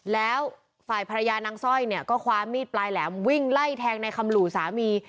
แล้วฝ่ายภรรยานางสร้อยเนี่ยก็คว้ามีดปลายแหลมวิ่งไล่แทงในคำหลู่สามี